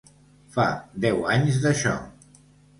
Fa deu anys d’això.